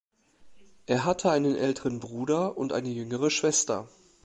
Er hatte einen älteren Bruder und eine jüngere Schwester.